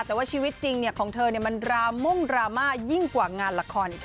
แต่ว่าชีวิตจริงของเธอมันรามุ่งดราม่ายิ่งกว่างานละคร